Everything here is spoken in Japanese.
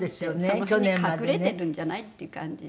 その辺に隠れてるんじゃない？っていう感じで。